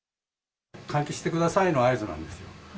換気してくださいの合図なんです。